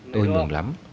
tôi mừng lắm